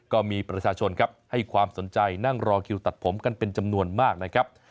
ก็มีประชาชนครับให้ความสนใจนั่งรอคิวตัดผมกันเป็นจำนวนมากนะครับ